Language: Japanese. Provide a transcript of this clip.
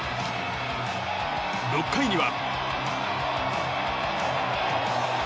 ６回には。